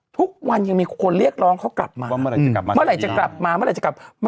ทุกวันยังมีคนเรียกร้องเขากลับมาเมื่อไหร่จะกลับมาเมื่อไหร่จะกลับมา